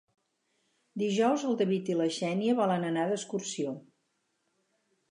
Dijous en David i na Xènia volen anar d'excursió.